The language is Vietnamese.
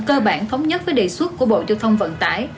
cơ bản thống nhất với đề xuất của bộ giao thông vận tải